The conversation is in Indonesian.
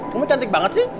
kamu cantik banget sih